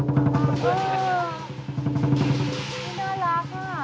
วีบโหวูนะลาฮ่า